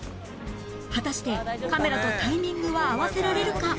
果たしてカメラとタイミングは合わせられるか？